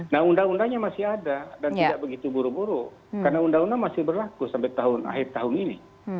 nah undang undangnya masih ada dan tidak begitu buru buru karena undang undang masih berlaku sampai akhir tahun ini